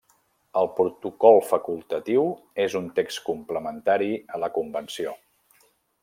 El Protocol Facultatiu és un text complementari a la Convenció.